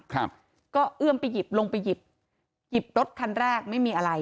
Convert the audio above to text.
ครับก็เอื้อมไปหยิบลงไปหยิบหยิบรถคันแรกไม่มีอะไร